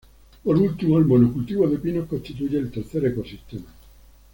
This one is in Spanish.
Por último el monocultivo de pinos constituye el tercer ecosistema.